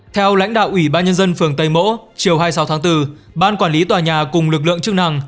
theo lãnh đạo ủy ban nhân dân phường tây mỗ chiều hai mươi sáu tháng bốn ban quản lý tòa nhà cùng lực lượng chức năng